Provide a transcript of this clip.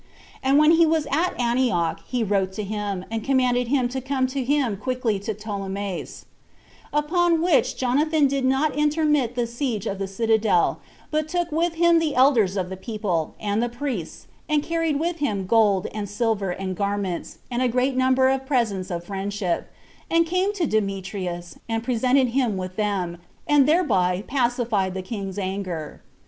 And when he was at Antioch, he wrote to him, and commanded him to come to him quickly to Ptolemais: upon which Jonathan did not intermit the siege of the citadel, but took with him the elders of the people, and the priests, and carried with him gold, and silver, and garments, and a great number of presents of friendship, and came to Demetrius, and presented him with them, and thereby pacified the king's anger.